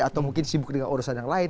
atau mungkin sibuk dengan urusan yang lain